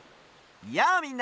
やあみんな！